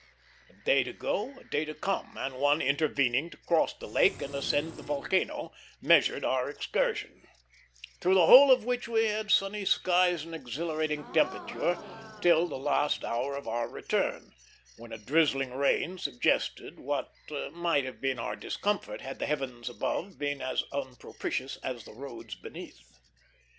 A day to go, a day to come, and one intervening to cross the lake and ascend the volcano, measured our excursion; through the whole of which we had sunny skies and exhilarating temperature till the last hour of our return, when a drizzling rain suggested what might have been our discomfort had the heavens above been as unpropitious as the roads beneath.